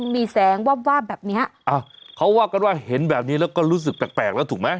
มีแสงวาบวาบแบบเนี้ยอ่าเขาว่ากันว่าเห็นแบบนี้แล้วก็รู้สึกแปลกแปลกแล้วถูกไหม